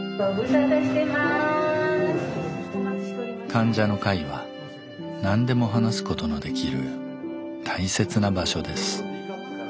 患者の会は何でも話すことのできる大切な場所です。